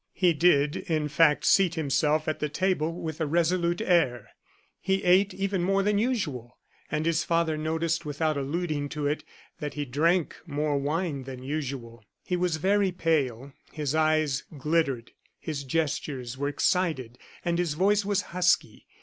He did, in fact, seat himself at the table with a resolute air. He ate even more than usual; and his father noticed, without alluding to it, that he drank much more wine than usual. He was very pale, his eyes glittered, his gestures were excited, and his voice was husky.